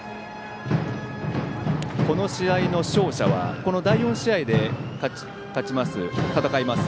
この試合の勝者は第４試合で戦います